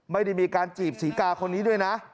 ไม่ได้มีการจีบศรีกาคนนี้ด้วยนะ